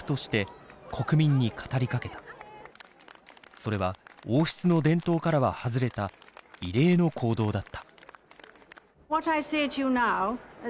それは王室の伝統からは外れた異例の行動だった。